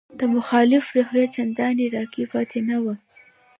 د مخالفت روحیه چندانې راکې پاتې نه وه.